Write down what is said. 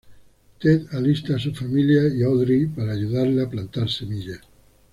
Ted alista a su familia y Audrey para ayudarle a plantar la semilla.